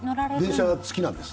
電車が好きなんです。